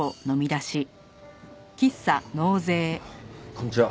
こんにちは。